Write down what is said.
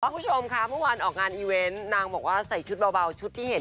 ก็คุณคุณชมคะผอออกงานนางบอกว่าใส่ชุดบ่าบ่าวชุดที่เห็น